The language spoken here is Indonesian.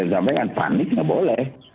saya sampaikan panik nggak boleh